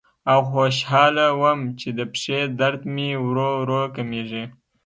او خوشاله وم چې د پښې درد مې ورو ورو کمیږي.